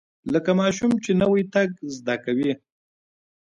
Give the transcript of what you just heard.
لکه ماشوم چې نوى تګ زده کوي.